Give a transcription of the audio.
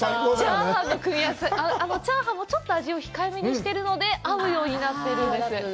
あのチャーハンもちょっと味を控え目にしているので、合うようになってるんです。